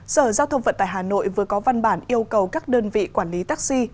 sở giao thông vận tải hà nội vừa có văn bản yêu cầu các đơn vị quản lý taxi